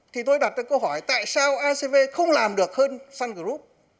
thì tôi đặt ra câu hỏi tại sao acv không làm được hơn sun group